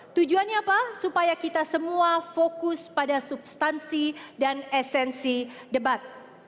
tujuannya apa supaya kita semua fokus pada substansi dan esensi debat